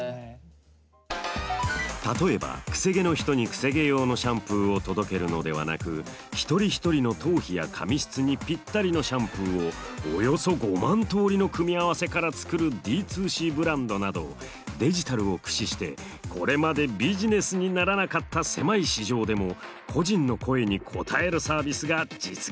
例えばくせ毛の人にくせ毛用のシャンプーを届けるのではなく一人一人の頭皮や髪質にぴったりのシャンプーをおよそ５万通りの組み合わせから作るＤ２Ｃブランドなどデジタルを駆使してこれまでビジネスにならなかった狭い市場でも個人の声に応えるサービスが実現しているんです。